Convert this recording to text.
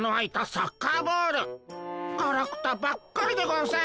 ガラクタばっかりでゴンス。